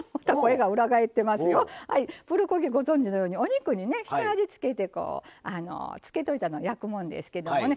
プルコギ、ご存じのようにお肉に下味を付けて漬けといたのを焼くもんですけどね